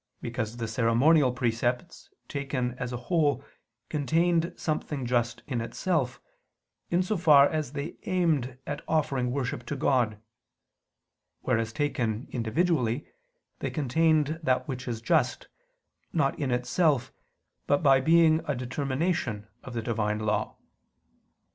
Because the ceremonial precepts taken as a whole contained something just in itself, in so far as they aimed at offering worship to God; whereas taken individually they contained that which is just, not in itself, but by being a determination of the Divine law.